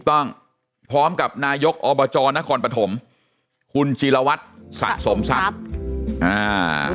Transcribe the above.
ต้องพร้อมกับนายกอบจนครปฐมคุณจีรวัตรสะสมทรัพย์อ่า